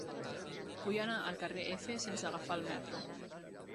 Vull anar al carrer F sense agafar el metro.